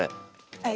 はい。